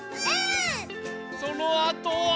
そのあとは。